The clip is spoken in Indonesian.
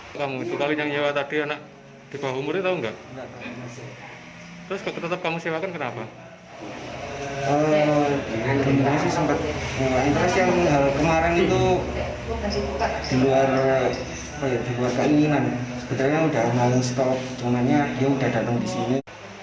sebenarnya sudah melalui stop namanya dia sudah datang di sini